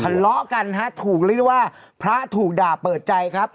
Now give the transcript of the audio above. ทะเลาะกันฮะถูกเรียกว่าพระถูกด่าเปิดใจครับ